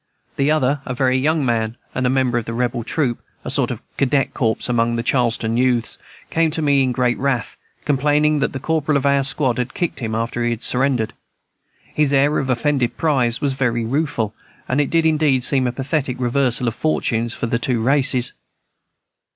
The other, a very young man, and a member of the "Rebel Troop," a sort of Cadet corps among the Charleston youths, came to me in great wrath, complaining that the corporal of our squad had kicked him after he had surrendered. His air of offended pride was very rueful, and it did indeed seem a pathetic reversal of fortunes for the two races.